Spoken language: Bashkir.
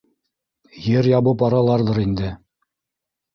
— Ер ябып бараларҙыр инде.